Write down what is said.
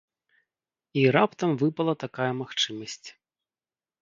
І раптам выпала такая магчымасць.